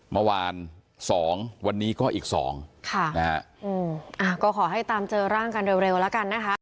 เมื่อวาน๒วันนี้ก็อีก๒ขอให้ตามเจอร่างกันเร็วแล้วกันนะคะ